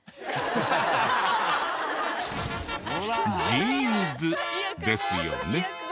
ジーンズですよね。